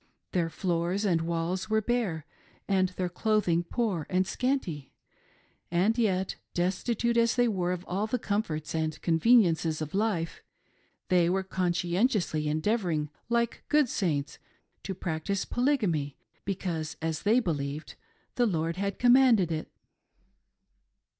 Their floors and walls were bare, and their clothing poor and scanty ; and yet, destitute as they were of all the comforts and conveniences of life, they were conscientiously endeavoring like good Saints to practice Polygamy, because, as they believed, the Lord had com manded it.